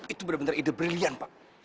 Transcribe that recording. itu bener bener ide brilian pak